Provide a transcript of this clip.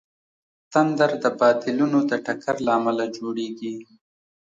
تندر د بادلونو د ټکر له امله جوړېږي.